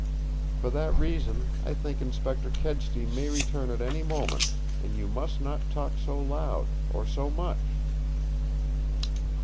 For that reason I think Inspector Kedsty may return at any moment, and you must not talk so loud or so much."